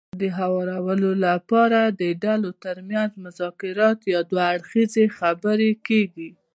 د هوارولو لپاره د ډلو ترمنځ مذاکرات يا دوه اړخیزې خبرې کېږي.